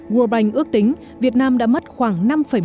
world bank ước tính việt nam đã mất khoảng năm một mươi